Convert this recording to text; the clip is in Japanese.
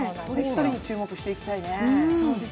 一人一人に注目していきたいね。